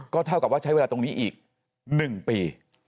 เท่ากับว่าใช้เวลาตรงนี้อีก๑ปี